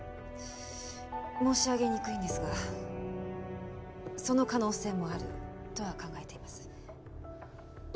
申し上げにくいんですがその可能性もあるとは考えています。